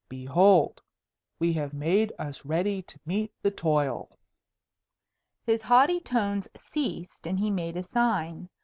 Behold! we have made us ready to meet the toil." His haughty tones ceased, and he made a sign.